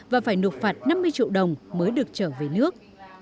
và phải nộp phạt năm mươi triệu đồng mới được trở về nước